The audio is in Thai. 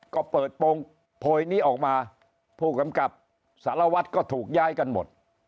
ก็เปิดโปรงโพยนี้ออกมาผู้กำกับสารวัตรก็ถูกย้ายกันหมด